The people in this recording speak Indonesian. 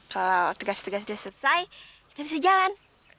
kalau tugas tugas udah selesai kita bisa jalan